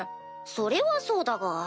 それはそうだが。